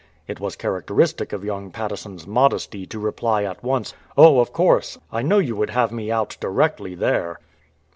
"" It was characteristic of young Patteson's modesty to reply at once, "Oh, of course ; I know you would have me out directly there.'